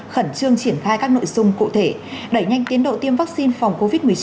khẩn trương triển khai các nội dung cụ thể đẩy nhanh tiến độ tiêm vaccine phòng covid một mươi chín